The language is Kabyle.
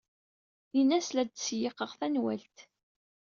Ini-as la d-ttseyyiqeɣ tanwalt.